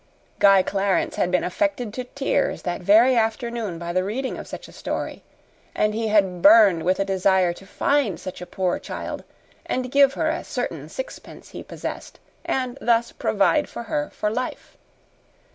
Guy Clarence had been affected to tears that very afternoon by the reading of such a story, and he had burned with a desire to find such a poor child and give her a certain sixpence he possessed, and thus provide for her for life.